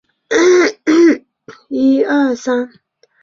野狗与缅甸蟒蛇是赤麂的主要天敌。